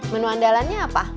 menu andalannya apa